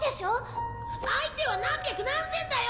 相手は何百何千だよ？